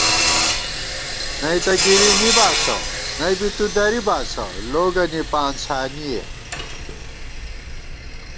نئ تہ گِری می باسہ نئ بی تُو درِی باسہ لوگَنی پانڅھانِئے